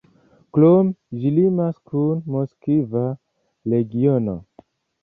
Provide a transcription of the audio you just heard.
Krome, ĝi limas kun Moskva regiono.